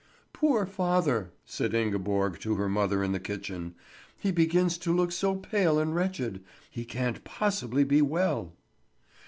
"Poor father!" said Ingeborg to her mother in the kitchen. "He begins to look so pale and wretched; he can't possibly be well."